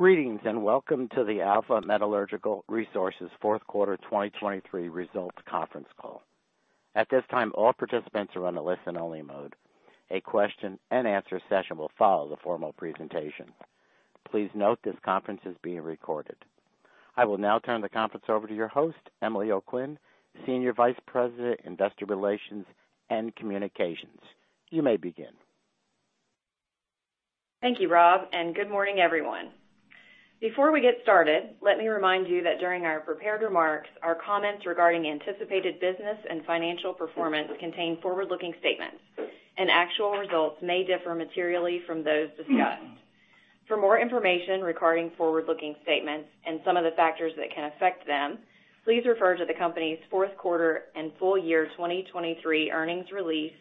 Greetings and welcome to the Alpha Metallurgical Resources Fourth Quarter 2023 Results Conference Call. At this time, all participants are on a listen-only mode. A question-and-answer session will follow the formal presentation. Please note this conference is being recorded. I will now turn the conference over to your host, Emily O'Quinn, Senior Vice President, Investor Relations and Communications. You may begin. Thank you, Rob, and good morning, everyone. Before we get started, let me remind you that during our prepared remarks, our comments regarding anticipated business and financial performance contain forward-looking statements, and actual results may differ materially from those discussed. For more information regarding forward-looking statements and some of the factors that can affect them, please refer to the company's Fourth Quarter and Full Year 2023 Earnings Release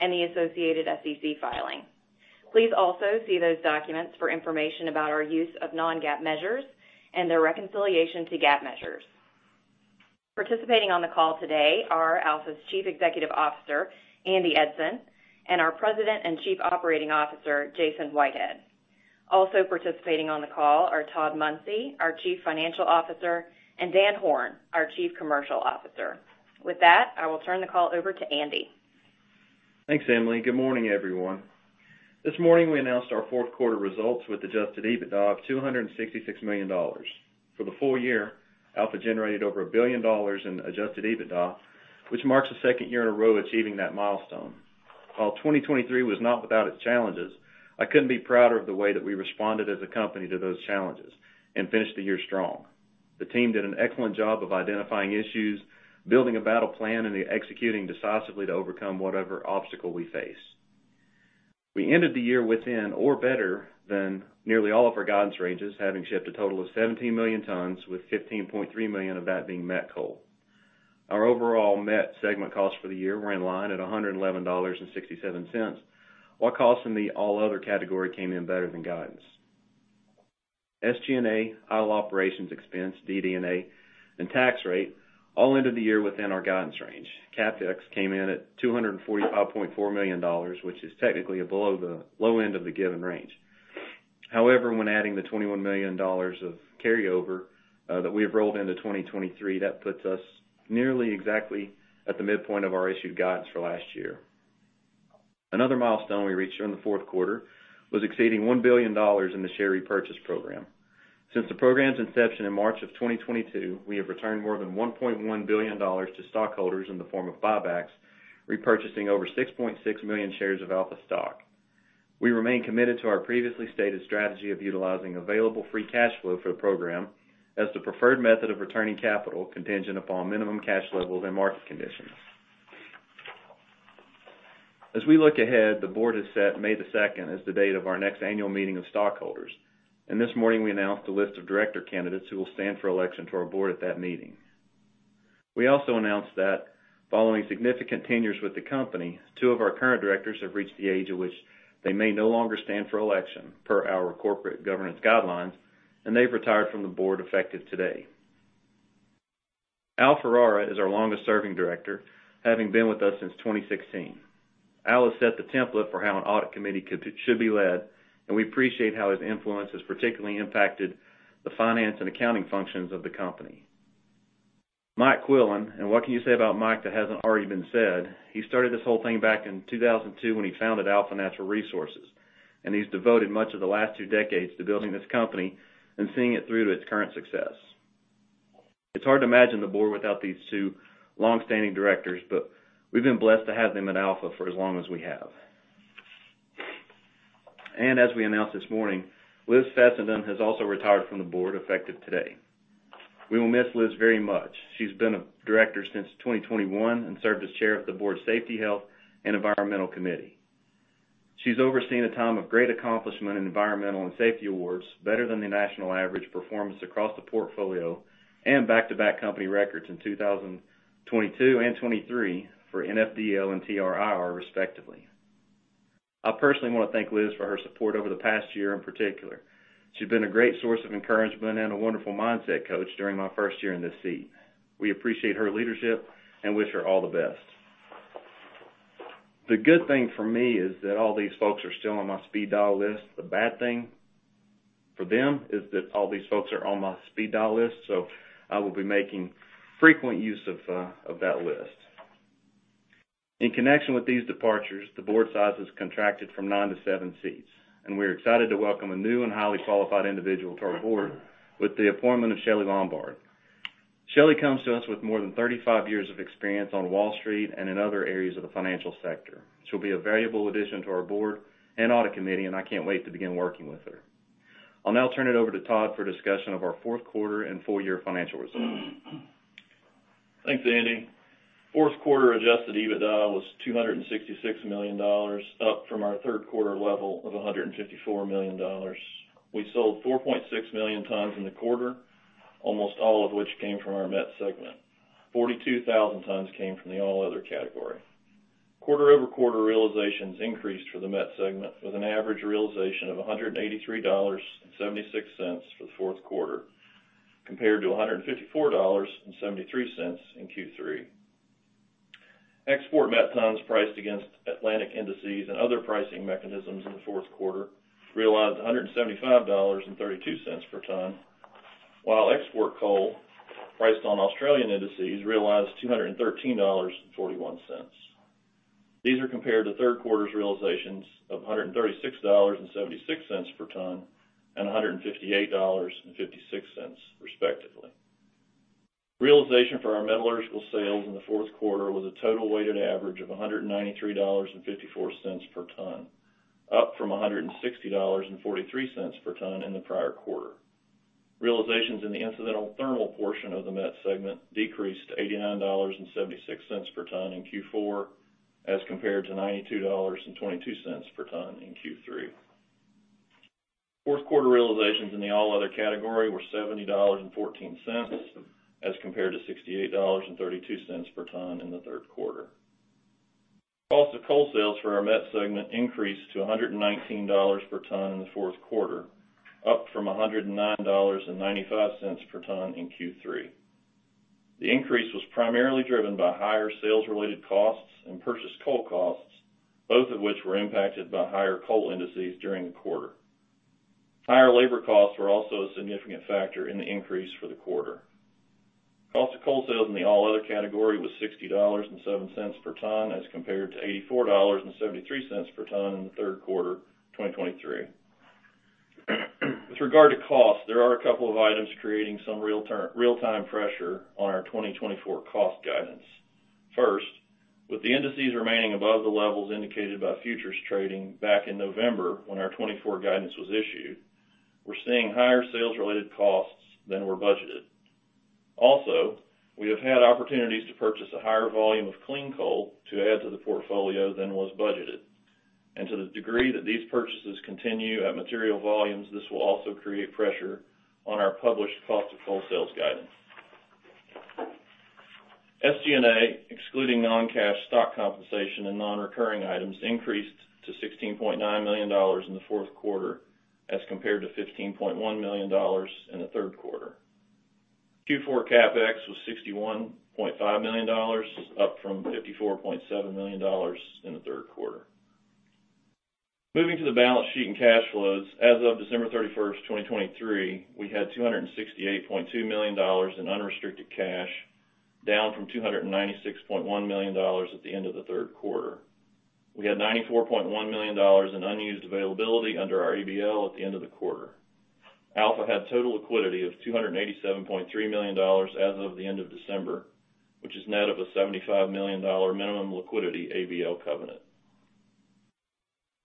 and the associated SEC filing. Please also see those documents for information about our use of non-GAAP measures and their reconciliation to GAAP measures. Participating on the call today are Alpha's Chief Executive Officer, Andy Eidson, and our President and Chief Operating Officer, Jason Whitehead. Also participating on the call are Todd Munsey, our Chief Financial Officer, and Dan Horn, our Chief Commercial Officer. With that, I will turn the call over to Andy. Thanks, Emily. Good morning, everyone. This morning we announced our Fourth Quarter results with Adjusted EBITDA of $266 million. For the full year, Alpha generated over $1 billion in Adjusted EBITDA, which marks the second year in a row achieving that milestone. While 2023 was not without its challenges, I couldn't be prouder of the way that we responded as a company to those challenges and finished the year strong. The team did an excellent job of identifying issues, building a battle plan, and executing decisively to overcome whatever obstacle we faced. We ended the year within or better than nearly all of our guidance ranges, having shipped a total of 17 million tons, with 15.3 million of that being met coal. Our overall met segment costs for the year were in line at $111.67, while costs in the all-other category came in better than guidance. SG&A, all operations expense, DD&A, and tax rate all ended the year within our guidance range. CapEx came in at $245.4 million, which is technically below the low end of the given range. However, when adding the $21 million of carryover that we have rolled into 2023, that puts us nearly exactly at the midpoint of our issued guidance for last year. Another milestone we reached in the fourth quarter was exceeding $1 billion in the share repurchase program. Since the program's inception in March of 2022, we have returned more than $1.1 billion to stockholders in the form of buybacks, repurchasing over 6.6 million shares of Alpha stock. We remain committed to our previously stated strategy of utilizing available free cash flow for the program as the preferred method of returning capital, contingent upon minimum cash levels and market conditions. As we look ahead, the board has set May the 2nd as the date of our next annual meeting of stockholders, and this morning we announced a list of director candidates who will stand for election to our board at that meeting. We also announced that, following significant tenures with the company, two of our current directors have reached the age at which they may no longer stand for election per our corporate governance guidelines, and they've retired from the board effective today. Al Ferrara is our longest-serving director, having been with us since 2016. Al has set the template for how an audit committee should be led, and we appreciate how his influence has particularly impacted the finance and accounting functions of the company. Mike Quillen, and what can you say about Mike that hasn't already been said? He started this whole thing back in 2002 when he founded Alpha Natural Resources, and he's devoted much of the last two decades to building this company and seeing it through to its current success. It's hard to imagine the board without these two longstanding directors, but we've been blessed to have them at Alpha for as long as we have. And as we announced this morning, Liz Fessenden has also retired from the board effective today. We will miss Liz very much. She's been a director since 2021 and served as chair of the Board Safety, Health, and Environmental Committee. She's overseen a time of great accomplishment in environmental and safety awards, better than the national average performance across the portfolio and back-to-back company records in 2022 and 2023 for NFDL and TRIR, respectively. I personally want to thank Liz for her support over the past year in particular. She's been a great source of encouragement and a wonderful mindset coach during my first year in this seat. We appreciate her leadership and wish her all the best. The good thing for me is that all these folks are still on my speed dial list. The bad thing for them is that all these folks are on my speed dial list, so I will be making frequent use of that list. In connection with these departures, the board size has contracted from 9- 7 seats, and we're excited to welcome a new and highly qualified individual to our board with the appointment of Shelly Lombard. Shelly comes to us with more than 35 years of experience on Wall Street and in other areas of the financial sector. She'll be a valuable addition to our board and audit committee, and I can't wait to begin working with her. I'll now turn it over to Todd for discussion of our Fourth Quarter and full-year financial results. Thanks, Andy. Fourth Quarter Adjusted EBITDA was $266 million, up from our Third Quarter level of $154 million. We sold 4.6 million tons in the quarter, almost all of which came from our met segment. 42,000 tons came from the all-other category. Quarter-over-quarter realizations increased for the met segment, with an average realization of $183.76 for the Fourth Quarter compared to $154.73 in Q3. Export met tons priced against Atlantic indices and other pricing mechanisms in the Fourth Quarter realized $175.32 per ton, while export coal priced on Australian indices realized $213.41. These are compared to Third Quarter's realizations of $136.76 per ton and $158.56, respectively. Realization for our metallurgical sales in the Fourth Quarter was a total weighted average of $193.54 per ton, up from $160.43 per ton in the prior quarter. Realizations in the incidental thermal portion of the met segment decreased to $89.76 per ton in Q4 as compared to $92.22 per ton in Q3. Fourth Quarter realizations in the all-other category were $70.14 as compared to $68.32 per ton in the Third Quarter. Cost of coal sales for our met segment increased to $119 per ton in the Fourth Quarter, up from $109.95 per ton in Q3. The increase was primarily driven by higher sales-related costs and purchased coal costs, both of which were impacted by higher coal indices during the quarter. Higher labor costs were also a significant factor in the increase for the quarter. Cost of coal sales in the all-other category was $60.07 per ton as compared to $84.73 per ton in the third quarter 2023. With regard to costs, there are a couple of items creating some real-time pressure on our 2024 cost guidance. First, with the indices remaining above the levels indicated by futures trading back in November when our 2024 guidance was issued, we're seeing higher sales-related costs than were budgeted. Also, we have had opportunities to purchase a higher volume of clean coal to add to the portfolio than was budgeted, and to the degree that these purchases continue at material volumes, this will also create pressure on our published cost of coal sales guidance. SG&A, excluding non-cash stock compensation and non-recurring items, increased to $16.9 million in the fourth quarter as compared to $15.1 million in the third quarter. Q4 CapEx was $61.5 million, up from $54.7 million in the third quarter. Moving to the balance sheet and cash flows, as of December 31st, 2023, we had $268.2 million in unrestricted cash, down from $296.1 million at the end of the third quarter. We had $94.1 million in unused availability under our ABL at the end of the quarter. Alpha had total liquidity of $287.3 million as of the end of December, which is net of a $75 million minimum liquidity ABL covenant.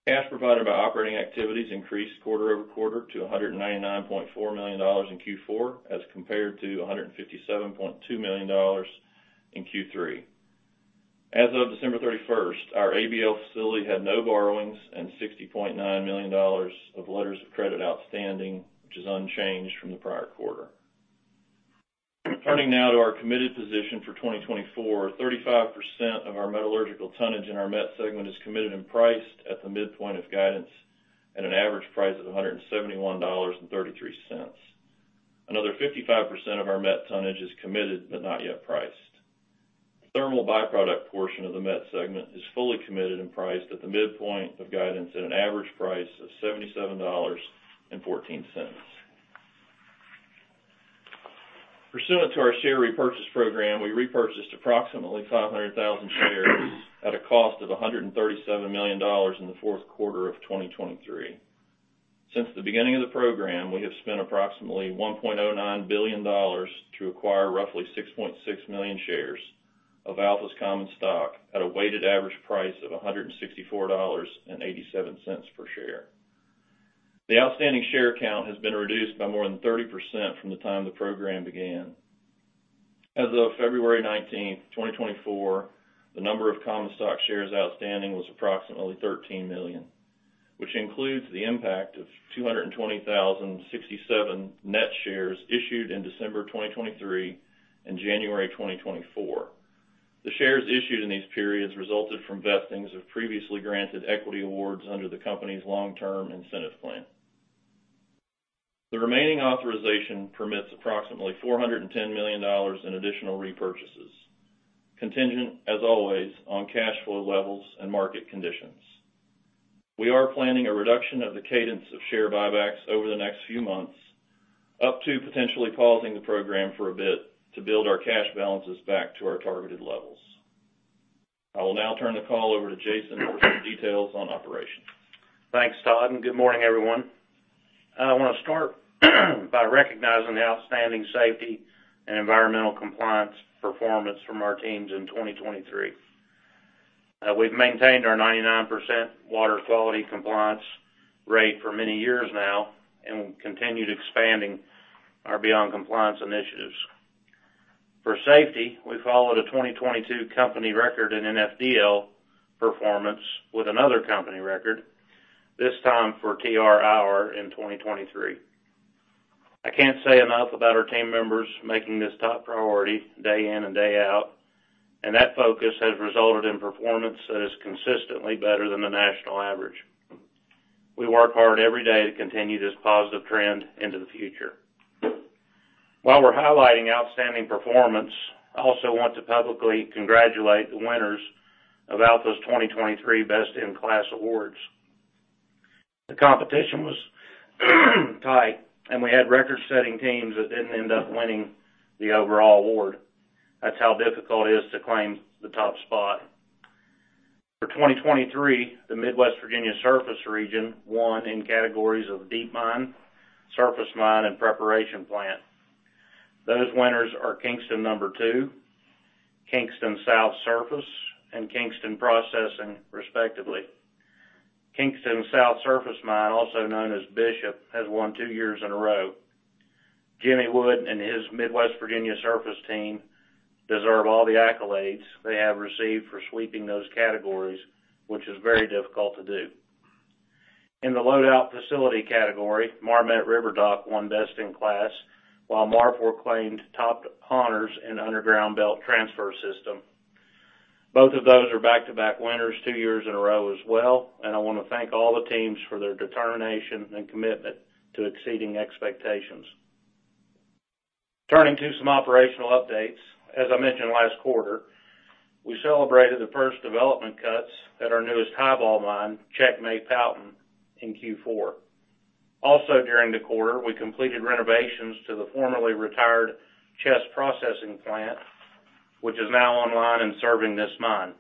Cash provided by operating activities increased quarter-over-quarter to $199.4 million in Q4 as compared to $157.2 million in Q3. As of December 31st, our ABL facility had no borrowings and $60.9 million of letters of credit outstanding, which is unchanged from the prior quarter. Turning now to our committed position for 2024, 35% of our metallurgical tonnage in our met segment is committed and priced at the midpoint of guidance at an average price of $171.33. Another 55% of our met tonnage is committed but not yet priced. Thermal byproduct portion of the met segment is fully committed and priced at the midpoint of guidance at an average price of $77.14. Pursuant to our share repurchase program, we repurchased approximately 500,000 shares at a cost of $137 million in the fourth quarter of 2023. Since the beginning of the program, we have spent approximately $1.09 billion to acquire roughly 6.6 million shares of Alpha's common stock at a weighted average price of $164.87 per share. The outstanding share count has been reduced by more than 30% from the time the program began. As of February 19th, 2024, the number of common stock shares outstanding was approximately 13 million, which includes the impact of 220,067 net shares issued in December 2023 and January 2024. The shares issued in these periods resulted from vestings of previously granted equity awards under the company's long-term incentive plan. The remaining authorization permits approximately $410 million in additional repurchases, contingent, as always, on cash flow levels and market conditions. We are planning a reduction of the cadence of share buybacks over the next few months, up to potentially pausing the program for a bit to build our cash balances back to our targeted levels. I will now turn the call over to Jason for some details on operations. Thanks, Todd. Good morning, everyone. I want to start by recognizing the outstanding safety and environmental compliance performance from our teams in 2023. We've maintained our 99% water quality compliance rate for many years now and will continue to expanding our Beyond Compliance initiatives. For safety, we followed a 2022 company record in NFDL performance with another company record, this time for TRIR in 2023. I can't say enough about our team members making this top priority day in and day out, and that focus has resulted in performance that is consistently better than the national average. We work hard every day to continue this positive trend into the future. While we're highlighting outstanding performance, I also want to publicly congratulate the winners of Alpha's 2023 Best in Class Awards. The competition was tight, and we had record-setting teams that didn't end up winning the overall award. That's how difficult it is to claim the top spot. For 2023, the Midwest Virginia Surface Region won in categories of deep mine, surface mine, and preparation plant. Those winners are Kingston Number Two, Kingston South Surface, and Kingston Processing, respectively. Kingston South Surface Mine, also known as Bishop, has won two years in a row. Jimmy Wood and his Midwest Virginia Surface team deserve all the accolades they have received for sweeping those categories, which is very difficult to do. In the loadout facility category, Marmet River Dock won Best in Class, while Marfork claimed top honors in underground belt transfer system. Both of those are back-to-back winners two years in a row as well, and I want to thank all the teams for their determination and commitment to exceeding expectations. Turning to some operational updates, as I mentioned last quarter, we celebrated the first development cuts at our newest highwall mine, Checkmate Powellton, in Q4. Also during the quarter, we completed renovations to the formerly retired Chess Processing plant, which is now online and serving this mine.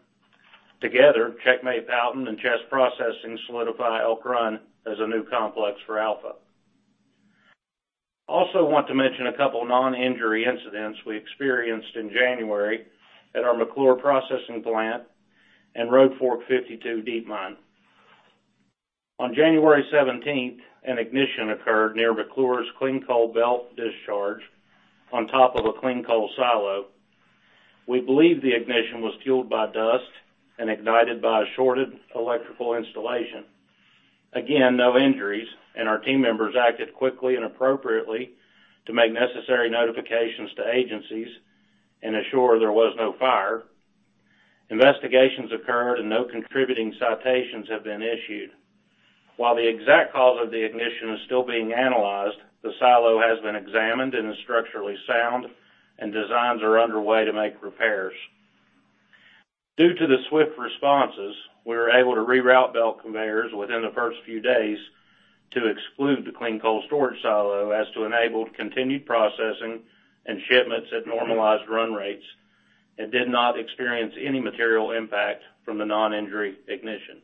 Together, Checkmate Powellton and Chess Processing solidify Elk Run as a new complex for Alpha. I also want to mention a couple of non-injury incidents we experienced in January at our McClure Processing Plant and Road Fork 52 deep mine. On January 17th, an ignition occurred near McClure's clean coal belt discharge on top of a clean coal silo. We believe the ignition was fueled by dust and ignited by a shorted electrical installation. Again, no injuries, and our team members acted quickly and appropriately to make necessary notifications to agencies and assure there was no fire. Investigations occurred, and no contributing citations have been issued. While the exact cause of the ignition is still being analyzed, the silo has been examined and is structurally sound, and designs are underway to make repairs. Due to the swift responses, we were able to reroute belt conveyors within the first few days to exclude the clean coal storage silo as to enable continued processing and shipments at normalized run rates and did not experience any material impact from the non-injury ignition.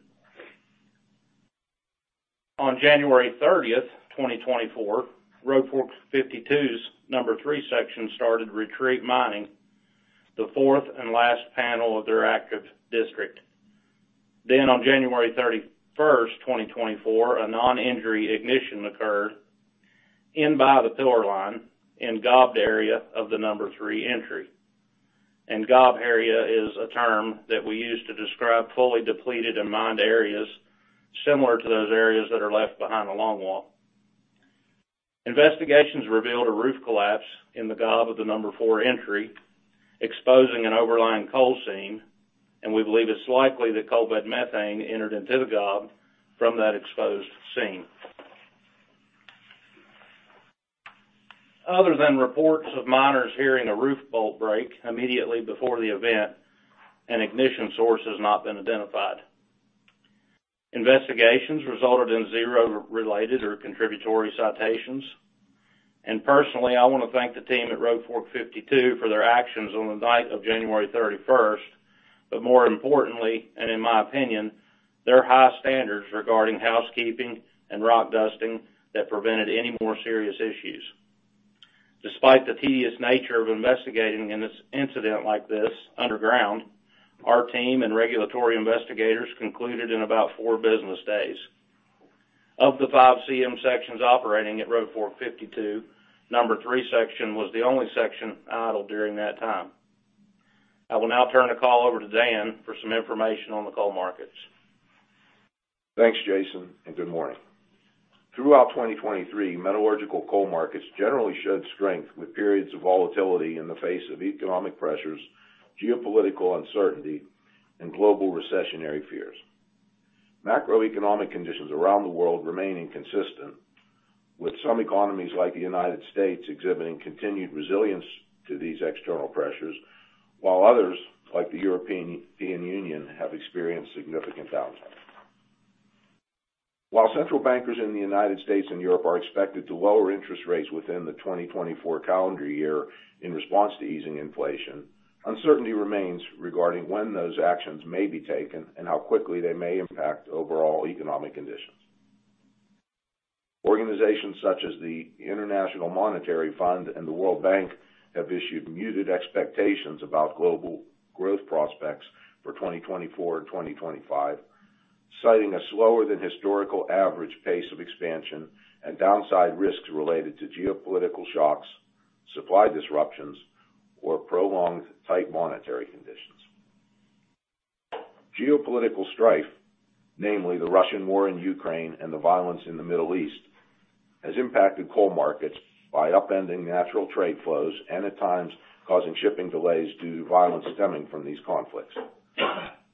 On January 30th, 2024, Road Fork 52's Number Three section started retreat mining, the fourth and last panel of their active district. Then, on January 31st, 2024, a non-injury ignition occurred inby the pillar line in gob area of the Number Three entry. Gob area is a term that we use to describe fully depleted and mined areas similar to those areas that are left behind a longwall. Investigations revealed a roof collapse in the gob of the number 4 entry, exposing an overlying coal seam, and we believe it's likely that coal bed methane entered into the gob from that exposed seam. Other than reports of miners hearing a roof bolt break immediately before the event, an ignition source has not been identified. Investigations resulted in zero related or contributory citations. Personally, I want to thank the team at Road Fork 52 for their actions on the night of January 31st, but more importantly, and in my opinion, their high standards regarding housekeeping and rock dusting that prevented any more serious issues. Despite the tedious nature of investigating an incident like this underground, our team and regulatory investigators concluded in about 4 business days. Of the 5 CM sections operating at Road Fork 52, Number 3 section was the only section idle during that time. I will now turn the call over to Dan for some information on the coal markets. Thanks, Jason, and good morning. Throughout 2023, metallurgical coal markets generally showed strength with periods of volatility in the face of economic pressures, geopolitical uncertainty, and global recessionary fears. Macroeconomic conditions around the world remain inconsistent, with some economies like the United States exhibiting continued resilience to these external pressures, while others like the European Union have experienced significant downturns. While central bankers in the United States and Europe are expected to lower interest rates within the 2024 calendar year in response to easing inflation, uncertainty remains regarding when those actions may be taken and how quickly they may impact overall economic conditions. Organizations such as the International Monetary Fund and the World Bank have issued muted expectations about global growth prospects for 2024 and 2025, citing a slower than historical average pace of expansion and downside risks related to geopolitical shocks, supply disruptions, or prolonged tight monetary conditions. Geopolitical strife, namely the Russian war in Ukraine and the violence in the Middle East, has impacted coal markets by upending natural trade flows and at times causing shipping delays due to violence stemming from these conflicts.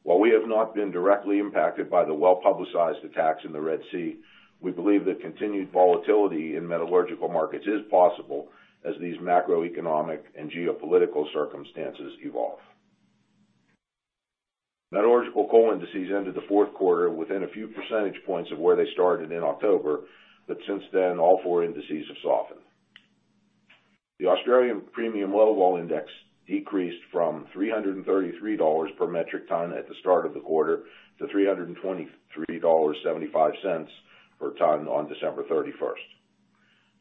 While we have not been directly impacted by the well-publicized attacks in the Red Sea, we believe that continued volatility in metallurgical markets is possible as these macroeconomic and geopolitical circumstances evolve. Metallurgical coal indices ended the fourth quarter within a few percentage points of where they started in October, but since then, all four indices have softened. The Australian Premium Low Vol Index decreased from $333 per metric ton at the start of the quarter to $323.75 per ton on December 31st.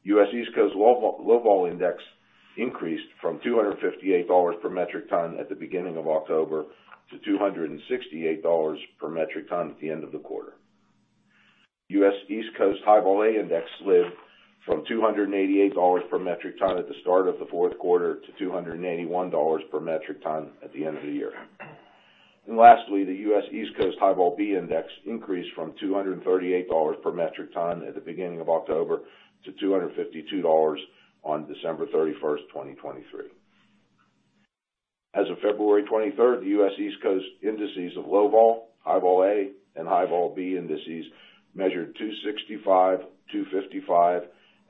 US East Coast Low Vol Index increased from $258 per metric ton at the beginning of October to $268 per metric ton at the end of the quarter. U.S. East Coast High Vol A Index slid from $288 per metric ton at the start of the fourth quarter to $281 per metric ton at the end of the year. Lastly, the U.S. East Coast High Vol B Index increased from $238 per metric ton at the beginning of October to $252 on December 31st, 2023. As of February 23rd, the U.S. East Coast indices of Low Vol, High Vol A, and High Vol B indices measured $265, $255,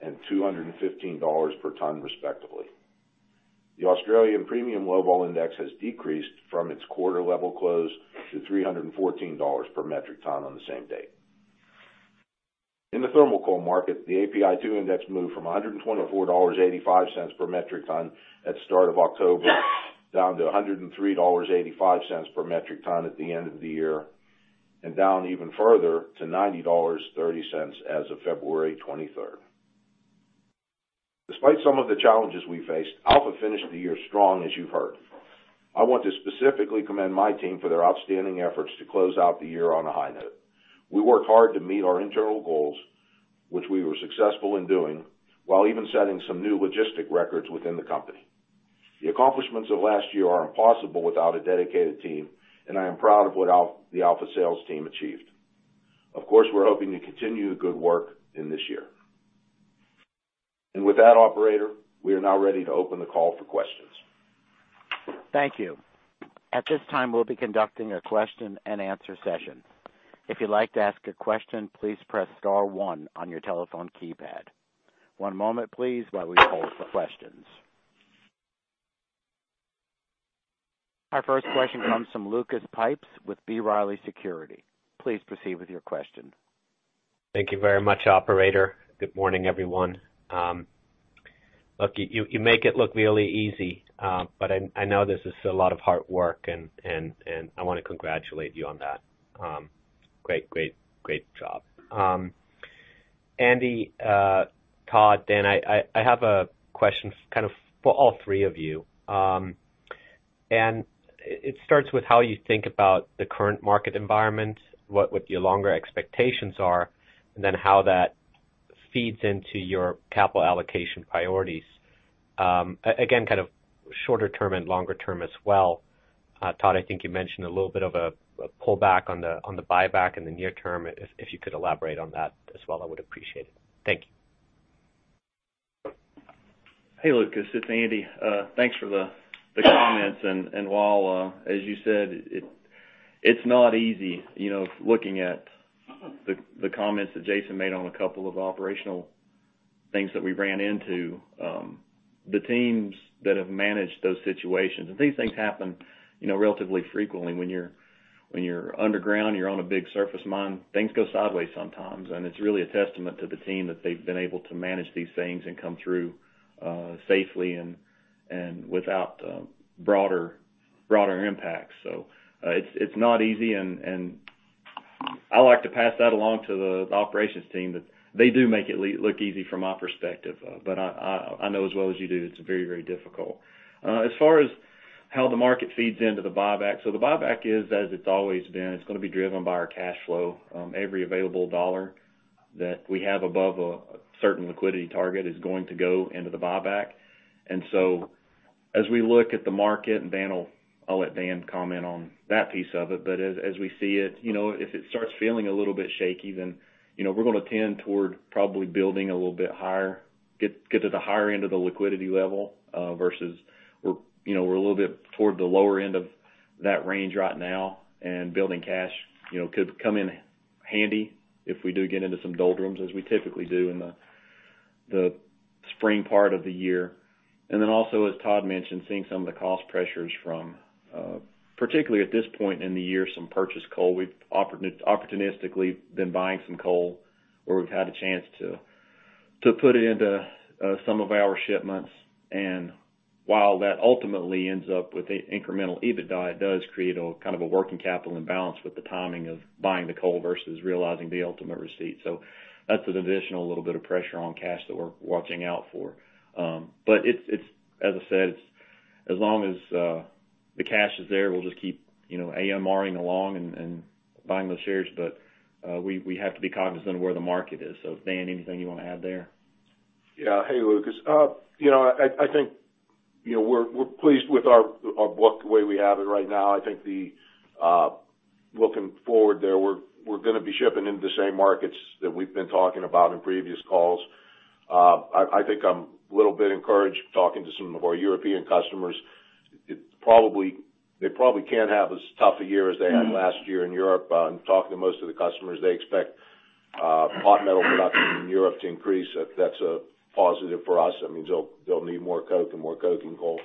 and $215 per ton, respectively. The Australian Premium Low Vol Index has decreased from its quarter-level close to $314 per metric ton on the same date. In the thermal coal market, the API 2 Index moved from $124.85 per metric ton at the start of October down to $103.85 per metric ton at the end of the year and down even further to $90.30 as of February 23rd. Despite some of the challenges we faced, Alpha finished the year strong, as you've heard. I want to specifically commend my team for their outstanding efforts to close out the year on a high note. We worked hard to meet our internal goals, which we were successful in doing while even setting some new logistic records within the company. The accomplishments of last year are impossible without a dedicated team, and I am proud of what the Alpha sales team achieved. Of course, we're hoping to continue the good work in this year. With that, operator, we are now ready to open the call for questions. Thank you. At this time, we'll be conducting a question and answer session. If you'd like to ask a question, please press star one on your telephone keypad. One moment, please, while we hold for questions. Our first question comes from Lucas Pipes with B. Riley Securities. Please proceed with your question. Thank you very much, operator. Good morning, everyone. Look, you make it look really easy, but I know this is a lot of hard work, and I want to congratulate you on that. Great, great, great job. Andy, Todd, Dan, I have a question kind of for all three of you. It starts with how you think about the current market environment, what your longer expectations are, and then how that feeds into your capital allocation priorities. Again, kind of shorter-term and longer-term as well. Todd, I think you mentioned a little bit of a pullback on the buyback in the near term. If you could elaborate on that as well, I would appreciate it. Thank you. Hey, Lucas. It's Andy. Thanks for the comments. And while, as you said, it's not easy looking at the comments that Jason made on a couple of operational things that we ran into, the teams that have managed those situations and these things happen relatively frequently. When you're underground, you're on a big surface mine, things go sideways sometimes. And it's really a testament to the team that they've been able to manage these things and come through safely and without broader impacts. So it's not easy. And I like to pass that along to the operations team, that they do make it look easy from my perspective, but I know as well as you do it's very, very difficult. As far as how the market feeds into the buyback, so the buyback is, as it's always been, it's going to be driven by our cash flow. Every available $ that we have above a certain liquidity target is going to go into the buyback. So as we look at the market, and Dan will I'll let Dan comment on that piece of it. But as we see it, if it starts feeling a little bit shaky, then we're going to tend toward probably building a little bit higher, get to the higher end of the liquidity level versus we're a little bit toward the lower end of that range right now. Building cash could come in handy if we do get into some doldrums, as we typically do in the spring part of the year. Then also, as Todd mentioned, seeing some of the cost pressures from particularly at this point in the year, some purchased coal. We've opportunistically been buying some coal where we've had a chance to put it into some of our shipments. And while that ultimately ends up with incremental EBITDA, it does create kind of a working capital imbalance with the timing of buying the coal versus realizing the ultimate receipt. So that's an additional little bit of pressure on cash that we're watching out for. But as I said, as long as the cash is there, we'll just keep AMRing along and buying those shares. But we have to be cognizant of where the market is. So, Dan, anything you want to add there? Yeah. Hey, Lucas. I think we're pleased with our book, the way we have it right now. I think looking forward there, we're going to be shipping into the same markets that we've been talking about in previous calls. I think I'm a little bit encouraged talking to some of our European customers. They probably can't have as tough a year as they had last year in Europe. And talking to most of the customers, they expect hot metal production in Europe to increase. That's a positive for us. I mean, they'll need more coke and more coke and coal.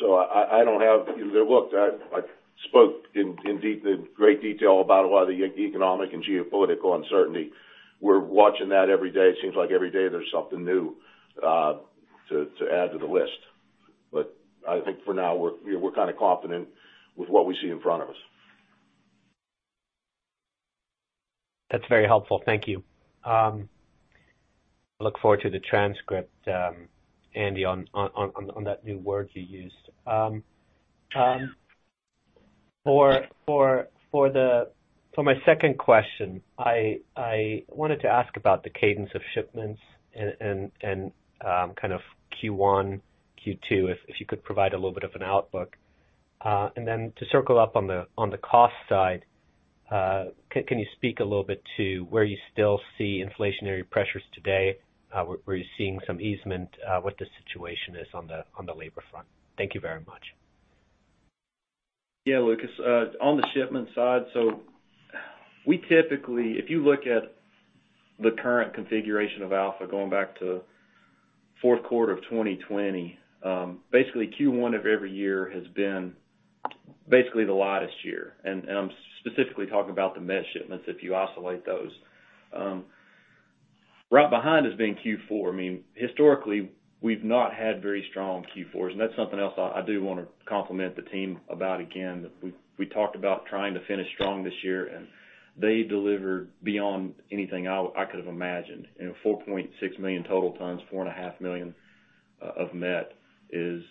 So I don't have. Look, I spoke in great detail about a lot of the economic and geopolitical uncertainty. We're watching that every day. It seems like every day there's something new to add to the list. I think for now, we're kind of confident with what we see in front of us. That's very helpful. Thank you. I look forward to the transcript, Andy, on that new word you used. For my second question, I wanted to ask about the cadence of shipments and kind of Q1, Q2, if you could provide a little bit of an outlook. And then to circle up on the cost side, can you speak a little bit to where you still see inflationary pressures today, where you're seeing some easing, what the situation is on the labor front? Thank you very much. Yeah, Lucas. On the shipment side, so we typically if you look at the current configuration of Alpha going back to fourth quarter of 2020, basically Q1 of every year has been basically the lightest year. And I'm specifically talking about the met shipments if you isolate those. Right behind us being Q4. I mean, historically, we've not had very strong Q4s. And that's something else I do want to compliment the team about again. We talked about trying to finish strong this year, and they delivered beyond anything I could have imagined. 4.6 million total tons, 4.5 million of met is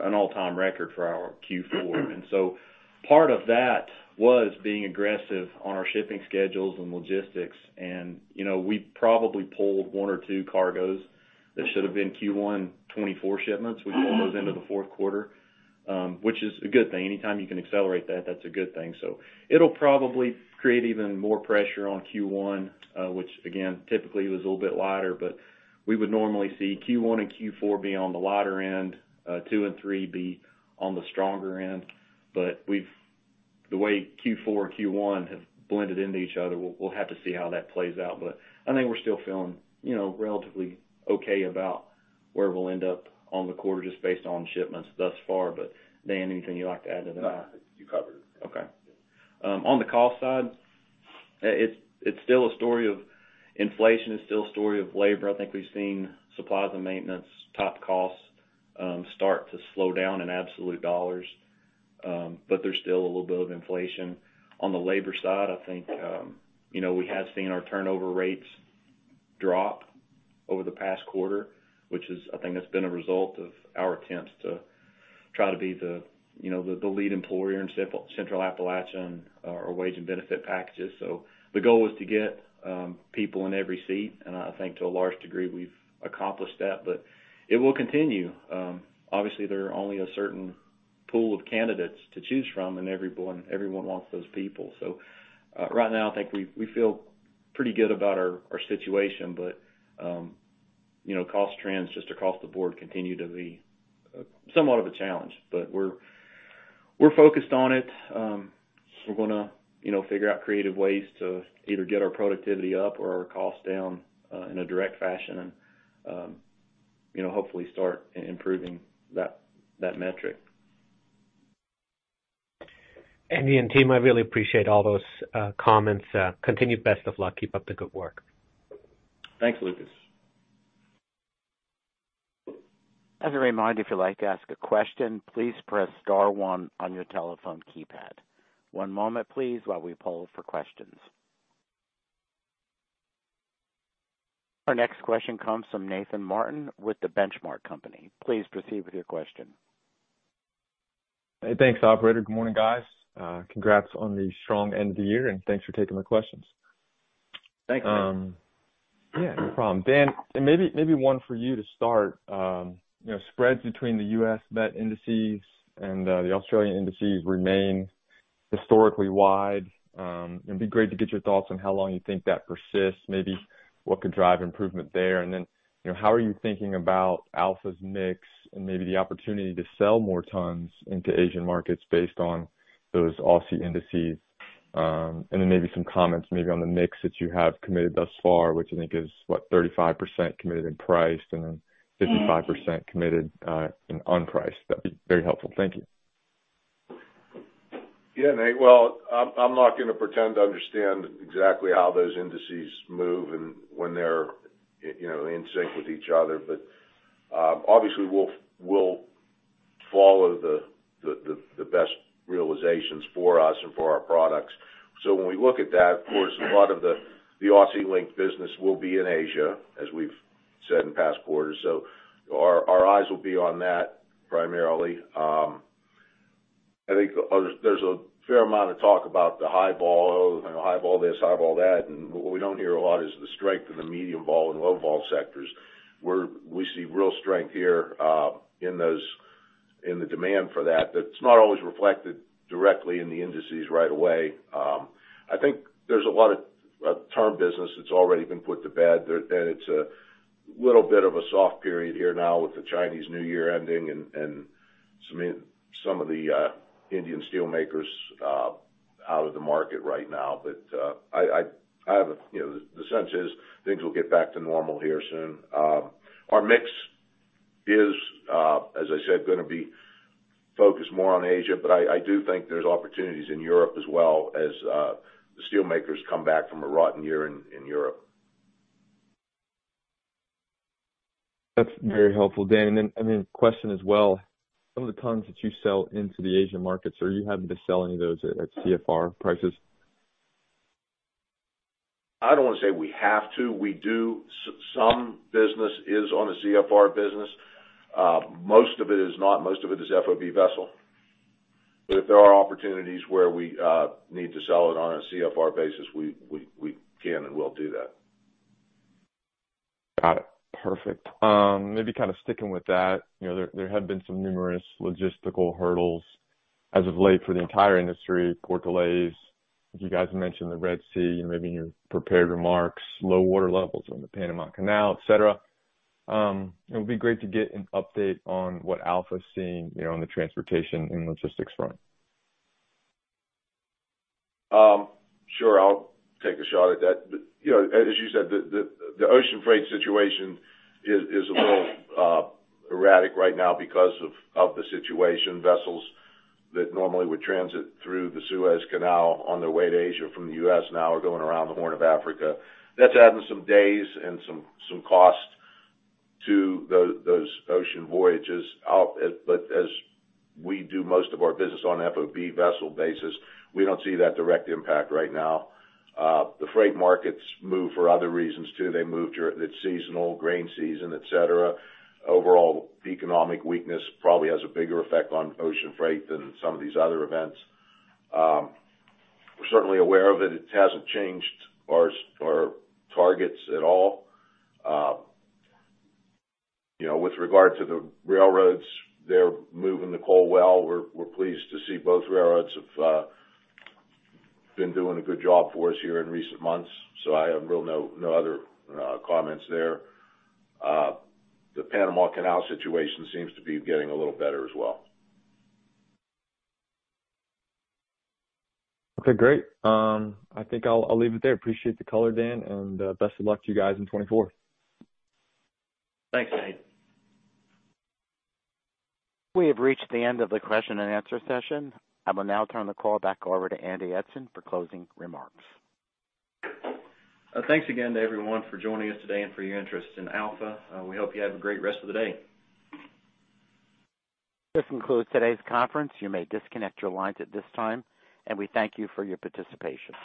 an all-time record for our Q4. And so part of that was being aggressive on our shipping schedules and logistics. And we probably pulled one or two cargoes that should have been Q1 2024 shipments. We pulled those into the fourth quarter, which is a good thing. Anytime you can accelerate that, that's a good thing. So it'll probably create even more pressure on Q1, which, again, typically was a little bit lighter. But we would normally see Q1 and Q4 be on the lighter end, two and three be on the stronger end. But the way Q4 and Q1 have blended into each other, we'll have to see how that plays out. But I think we're still feeling relatively okay about where we'll end up on the quarter just based on shipments thus far. But, Dan, anything you'd like to add to that? No, you covered it. On the cost side, it's still a story of inflation, it's still a story of labor. I think we've seen supplies and maintenance top costs start to slow down in absolute dollars, but there's still a little bit of inflation. On the labor side, I think we have seen our turnover rates drop over the past quarter, that's been a result of our attempts to try to be the lead employer in Central Appalachia and our wage and benefit packages. So the goal was to get people in every seat, and I think to a large degree, we've accomplished that. But it will continue. Obviously, there are only a certain pool of candidates to choose from, and everyone wants those people. So right now, I think we feel pretty good about our situation. But cost trends, just across the board, continue to be somewhat of a challenge. But we're focused on it. We're going to figure out creative ways to either get our productivity up or our costs down in a direct fashion and hopefully start improving that metric. Andy, and team, I really appreciate all those comments. Continued best of luck. Keep up the good work. Thanks, Lucas. As a reminder, if you'd like to ask a question, please press star one on your telephone keypad. One moment, please, while we hold for questions. Our next question comes from Nathan Martin with The Benchmark Company. Please proceed with your question. Hey, thanks, operator. Good morning, guys. Congrats on the strong end of the year, and thanks for taking my questions. Thanks, Dan. Yeah, no problem, Dan. And maybe one for you to start. Spreads between the US met indices and the Australian indices remain historically wide. It'd be great to get your thoughts on how long you think that persists, maybe what could drive improvement there. And then how are you thinking about Alpha's mix and maybe the opportunity to sell more tons into Asian markets based on those Aussie indices? And then maybe some comments maybe on the mix that you have committed thus far, which I think is, what, 35% committed in priced and then 55% committed in unpriced. That'd be very helpful. Thank you. Yeah, Nate. Well, I'm not going to pretend to understand exactly how those indices move and when they're in sync with each other. But obviously, we'll follow the best realizations for us and for our products. So when we look at that, of course, a lot of the Aussie-linked business will be in Asia, as we've said in past quarters. So our eyes will be on that primarily. I think there's a fair amount of talk about the high vol, high vol this, high vol that. And what we don't hear a lot is the strength in the medium vol and low vol sectors. We see real strength here in the demand for that that's not always reflected directly in the indices right away. I think there's a lot of term business that's already been put to bed. It's a little bit of a soft period here now with the Chinese New Year ending and some of the Indian steelmakers out of the market right now. But I have the sense is things will get back to normal here soon. Our mix is, as I said, going to be focused more on Asia. But I do think there's opportunities in Europe as well as the steelmakers come back from a rotten year in Europe. That's very helpful, Dan. And then a question as well. Some of the tons that you sell into the Asian markets, are you happy to sell any of those at CFR prices? I don't want to say we have to. We do. Some business is on a CFR business. Most of it is not. Most of it is FOB vessel. But if there are opportunities where we need to sell it on a CFR basis, we can and will do that. Got it. Perfect. Maybe kind of sticking with that, there have been some numerous logistical hurdles as of late for the entire industry, port delays. I think you guys mentioned the Red Sea, maybe in your prepared remarks, low water levels in the Panama Canal, etc. It would be great to get an update on what Alpha is seeing on the transportation and logistics front. Sure. I'll take a shot at that. But as you said, the ocean freight situation is a little erratic right now because of the situation. Vessels that normally would transit through the Suez Canal on their way to Asia from the U.S. now are going around the Horn of Africa. That's adding some days and some cost to those ocean voyages. But as we do most of our business on an FOB vessel basis, we don't see that direct impact right now. The freight markets move for other reasons too. They move too. It's seasonal, grain season, etc. Overall, economic weakness probably has a bigger effect on ocean freight than some of these other events. We're certainly aware of it. It hasn't changed our targets at all. With regard to the railroads, they're moving the coal well. We're pleased to see both railroads have been doing a good job for us here in recent months. I have really no other comments there. The Panama Canal situation seems to be getting a little better as well. Okay, great. I think I'll leave it there. Appreciate the color, Dan. Best of luck to you guys in 2024. Thanks, Nate. We have reached the end of the question and answer session. I will now turn the call back over to Andy Eidson for closing remarks. Thanks again to everyone for joining us today and for your interest in Alpha. We hope you have a great rest of the day. This concludes today's conference. You may disconnect your lines at this time. We thank you for your participation.